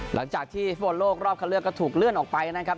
หลังจากที่ฟุตบอลโลกรอบเข้าเลือกก็ถูกเลื่อนออกไปนะครับ